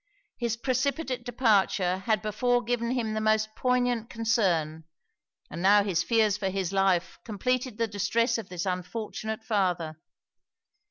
His precipitate departure had before given him the most poignant concern; and now his fears for his life completed the distress of this unfortunate father.